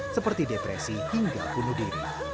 seperti depresi hingga bunuh diri